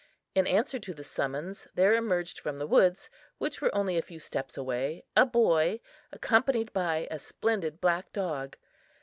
In answer to the summons there emerged from the woods, which were only a few steps away, a boy, accompanied by a splendid black dog.